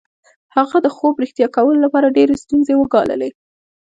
هغه د خوب رښتیا کولو لپاره ډېرې ستونزې وګاللې